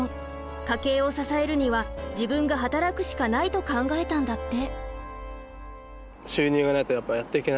家計を支えるには自分が働くしかないと考えたんだって。